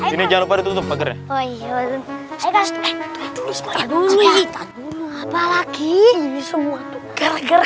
ini jangan lupa ditutup agar